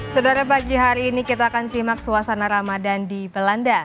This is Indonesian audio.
saudara pagi hari ini kita akan simak suasana ramadan di belanda